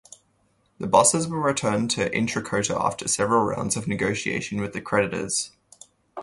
The buses were returned to Intrakota after several rounds of negotiations with the creditors.